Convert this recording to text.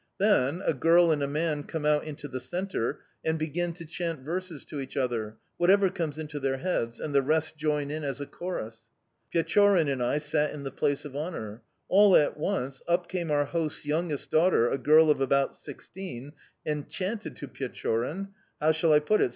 Then a girl and a man come out into the centre and begin to chant verses to each other whatever comes into their heads and the rest join in as a chorus. Pechorin and I sat in the place of honour. All at once up came our host's youngest daughter, a girl of about sixteen, and chanted to Pechorin how shall I put it?